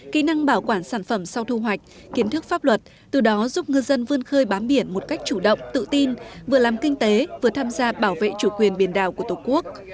kỹ năng bảo quản sản phẩm sau thu hoạch kiến thức pháp luật từ đó giúp ngư dân vươn khơi bám biển một cách chủ động tự tin vừa làm kinh tế vừa tham gia bảo vệ chủ quyền biển đảo của tổ quốc